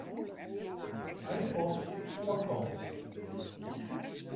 iPod foarkant.